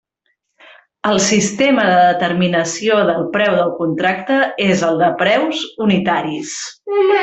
El sistema de determinació del preu del contracte és el de preus unitaris.